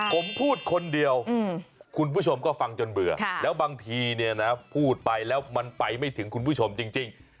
ผมพูดคนเดียวคุณผู้ชมก็ฟังจนเบื่อแล้วบางทีเนี่ยนะพูดไปแล้วมันไปไม่ถึงคุณผู้ชมจริง